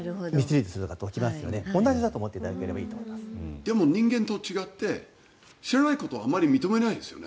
でも人間と違って知らないことをあまり認めないですよね。